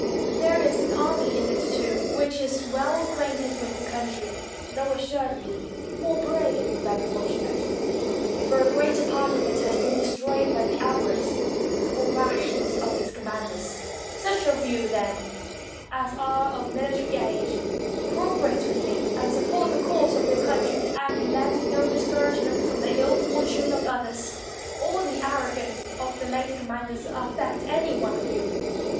There is an army in it, too, which is well acquainted with the country, though, assuredly, more brave than fortu nate, for a great part of it has been destroyed by the avarice or rashness of its commanders. Such of you, then, as are of military age, cooperate with me, and support the cause of your country; and let no discour agement from the iU fortune of others, or the arrogance of the late commanders, affect any one of you.